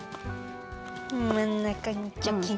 まんなかにジョキッ！